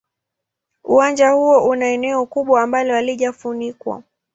Uwanja huo una eneo kubwa ambalo halijafunikwa.